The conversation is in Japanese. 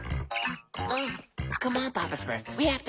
あっ。